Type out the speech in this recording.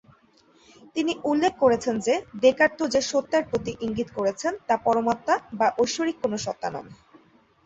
তিনি উল্লেখ করেছেন যে দেকার্ত যে সত্তার প্রতি ইঙ্গিত করেছেন তা পরমাত্মা বা ঐশ্বরিক কোনো সত্তা নন।